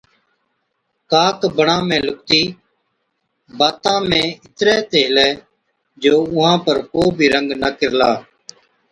ڪاڪ بڻا ۾ لُڪتِي، باتان ۾ اِتري تہ هِلي جو اُونهان پر ڪو بِي رنگ نہ ڪِرلا